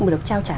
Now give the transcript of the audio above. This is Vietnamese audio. mà được trao trả